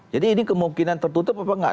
jadi ini kemungkinan tertutup apa enggak